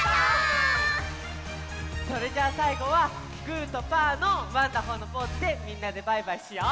それじゃあさいごはグーとパーのワンダホーのポーズでみんなでバイバイしよう！